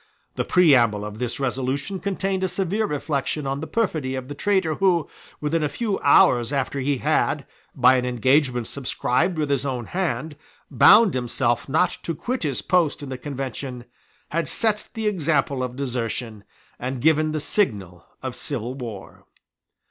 The preamble of this resolution contained a severe reflection on the perfidy of the traitor who, within a few hours after he had, by an engagement subscribed with his own hand, bound himself not to quit his post in the Convention, had set the example of desertion, and given the signal of civil war.